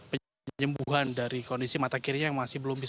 penyembuhan dari kondisi mata kirinya yang masih belum bisa